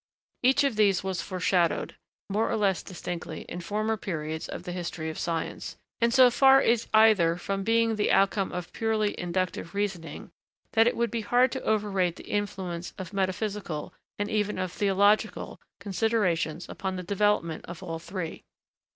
Each of these was foreshadowed, more or less distinctly, in former periods of the history of science; and, so far is either from being the outcome of purely inductive reasoning, that it would be hard to overrate the influence of metaphysical, and even of theological, considerations upon the development of all three.